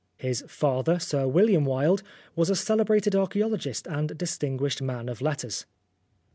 His father, Sir William Wilde, was a celebrated archaeologist and distinguished man of letters.